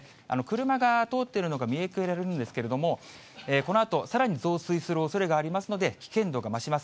車が通っているのが見受けられるんですけれども、このあとさらに増水するおそれがありますので、危険度が増します。